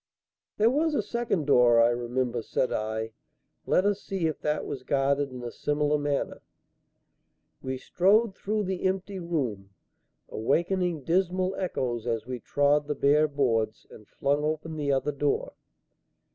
"There was a second door, I remember," said I. "Let us see if that was guarded in a similar manner." We strode through the empty room, awakening dismal echoes as we trod the bare boards, and flung open the other door.